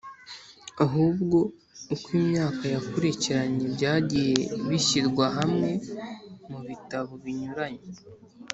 ahubwo uko imyaka yakurikiranye byagiye bishyirwa hamwe mu bitabo binyuranye,